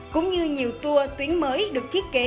cũng như nhiều tour tuyến mới được thiết kế